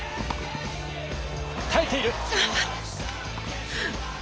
耐えている！